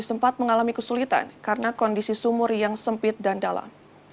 sempat mengalami kesulitan karena kondisi sumur yang sempit dan dalam